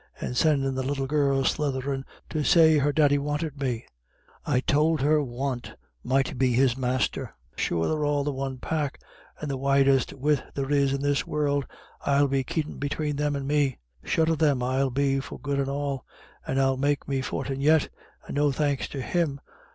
And sendin' the little girl slutherin' to say her daddy wanted me. I tould her want might be his master. Sure they're all the one pack, and the widest width there is in this world I'll be keepin' between them and me. Shut of them I'll be for good and all and I'll make me fortin' yet, and no thanks to him.